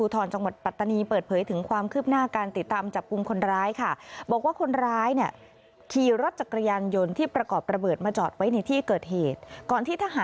ต้องขอให้เจอกันแค่นี้